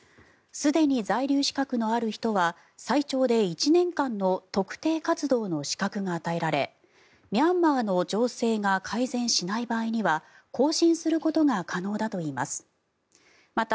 すでに在留資格のある人は最長で１年間の特定活動の資格が与えられミャンマーの情勢が改善しない場合には更新することが可能だといいます。